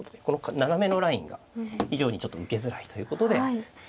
この斜めのラインが非常にちょっと受けづらいということで。